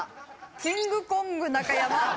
キングコング中山